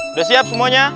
udah siap semuanya